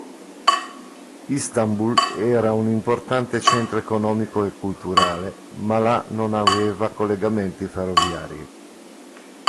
Istanbul era un importante centro economico e culturale ma la non aveva collegamenti ferroviari.